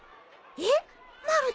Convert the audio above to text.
えっ！？